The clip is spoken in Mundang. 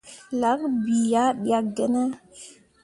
Lak bii ah ɗyakkene ?